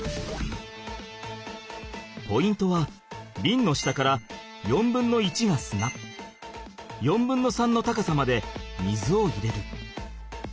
ポイントはビンの下から４分の１が砂４分の３の高さまで水を入れる。